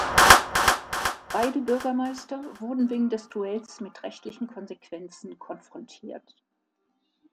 Beide Bürgermeister wurden wegen des Duells mit rechtlichen Konsequenzen konfrontiert.